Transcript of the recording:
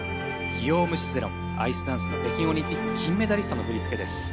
ギヨーム・シゼロンアイスダンスの北京オリンピック金メダリストの振り付けです。